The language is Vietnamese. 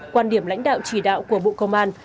quan điểm lãnh đạo chỉ đạo của bộ công an